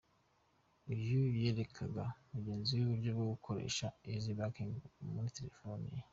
Uyu yerekaga mugenzi uburyo bwo gukoresha Eazzy Banking muri telefoni ye.